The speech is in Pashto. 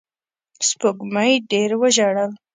سپوږمۍ ډېر وژړل